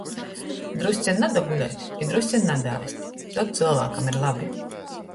Drusceņ nadagulēt i drusceņ nadaēst. Tod cylvākam ir labi.